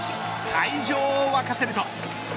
会場を沸かせると。